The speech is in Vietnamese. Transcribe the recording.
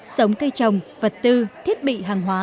sống cây trồng vật tư thiết bị hàng hóa